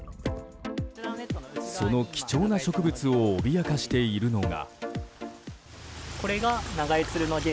その貴重な植物を脅かしているのが。